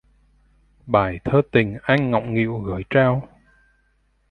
Bài thơ tình anh ngọng nghịu gởi trao!?